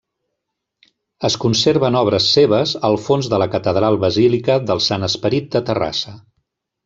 Es conserven obres seves al fons de la catedral-basílica del Sant Esperit de Terrassa.